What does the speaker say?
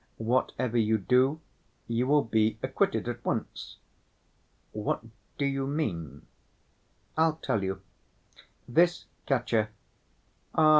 Whatever you do, you will be acquitted at once." "What do you mean?" "I'll tell you. This Katya ... Ah!